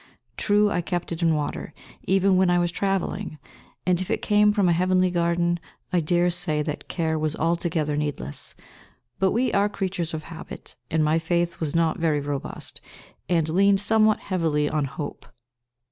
True I kept it in water, even when I was travelling; and, if it came from a heavenly garden, I dare say that care was altogether needless; but we are creatures of habit, and my Faith was not very robust, and leaned somewhat heavily on Hope.